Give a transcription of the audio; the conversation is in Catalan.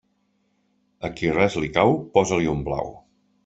A qui res li cau, posa-li un blau.